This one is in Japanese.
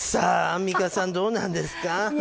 アンミカさんどうなんですか？